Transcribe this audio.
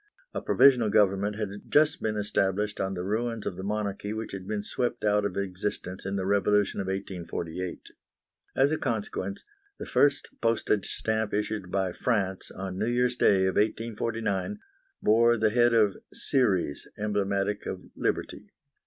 A provisional government had just been established on the ruins of the monarchy which had been swept out of existence in the revolution of 1848. As a consequence, the first postage stamp issued by France, on New Year's Day of 1849, bore the head of Ceres, emblematic of Liberty.